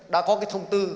đã có cái thông tư